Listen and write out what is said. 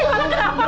bau usah aja